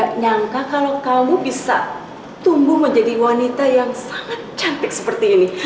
tidak nyangka kalau kamu bisa tumbuh menjadi wanita yang sangat cantik seperti ini